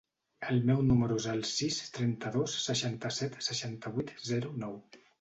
El meu número es el sis, trenta-dos, seixanta-set, seixanta-vuit, zero, nou.